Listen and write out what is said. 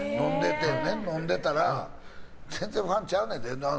飲んでたら全然ファンちゃうねんで。